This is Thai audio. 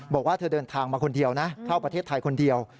บอกว่าเธอเดินทางมาคนเดียวนะเข้าประเทศไทยคนเดียว